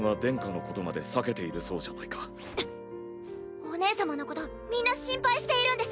お姉様のことみんな心配しているんです。